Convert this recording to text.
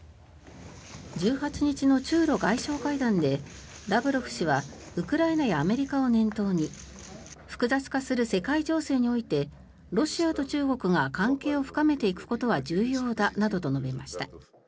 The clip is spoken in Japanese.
１８日の中ロ外相会談でラブロフ氏はウクライナやアメリカを念頭に複雑化する世界情勢においてロシアと中国が関係を深めていくことは重要だなどと述べました。